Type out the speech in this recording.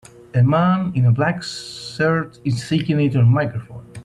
a man in a black shirt is singing into a microphone.